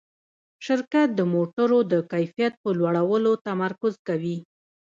شرکت د موټرو د کیفیت په لوړولو تمرکز کوي.